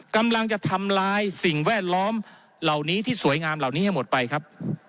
กำลังจะทำลายสิ่งแวดล้อมเหล่านี้ที่สวยงามเหล่านี้ให้หมดไปครับ